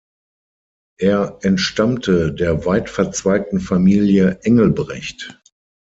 Er entstammte der weitverzweigten Familie Engelbrecht.